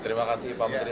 terima kasih pak menteri